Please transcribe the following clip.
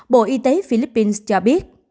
bộ y tế philippines cho biết